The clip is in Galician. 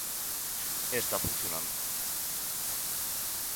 E está funcionando.